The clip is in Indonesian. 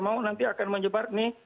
mau nanti akan menyebar nih